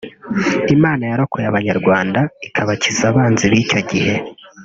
Imana yarokoye Abanyarwanda ikabakiza abanzi b’icyo gihe